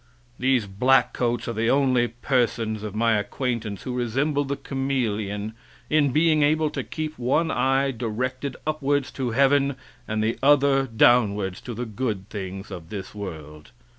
*[* "These black coats are the only persons of my acquaintance who resemble the chameleon, in being able to keep one eye directed upwards to heaven, and the other downwards to the good things of this world."